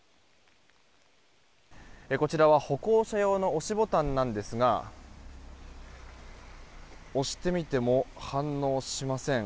こちらは歩行者用の押しボタンなんですが押してみても、反応しません。